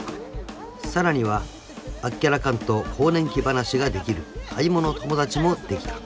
［さらにはあっけらかんと更年期話ができる買い物友達もできた］